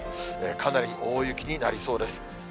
かなり大雪になりそうです。